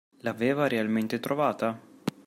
L'aveva realmente trovata?